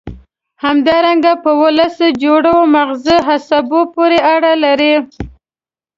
همدارنګه په دوولس جوړو مغزي عصبو پورې اړه لري.